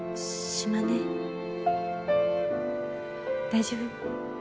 大丈夫？